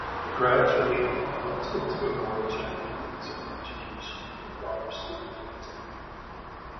Gradually it developed into a more general musical education for a broader student intake.